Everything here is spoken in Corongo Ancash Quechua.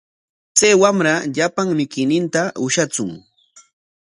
Chay wamra llapan mikuyninta ushatsun.